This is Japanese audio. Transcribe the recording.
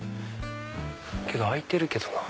けど開いてるけどな。